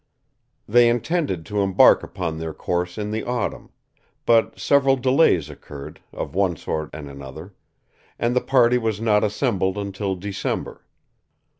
They intended to embark upon their course in the autumn; but several delays occurred, of one sort and another, and the party was not assembled until December.